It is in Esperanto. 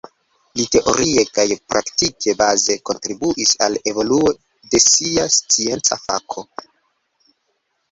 Li teorie kaj praktike baze kontribuis al evoluo de sia scienca fako.